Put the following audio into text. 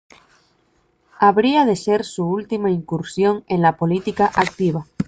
Habría de ser su última incursión en la política activa.